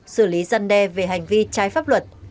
xử lý giăn đe về hành vi trái pháp luật